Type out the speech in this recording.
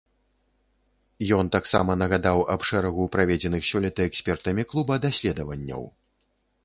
Ён таксама нагадаў аб шэрагу праведзеных сёлета экспертамі клуба даследаванняў.